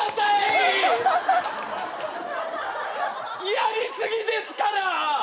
やり過ぎですから！